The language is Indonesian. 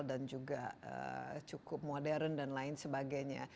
dan juga cukup modern dan lain lain